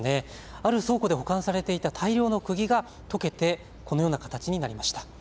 ある倉庫で保管されていた大量のくぎが溶けてこのような形になりました。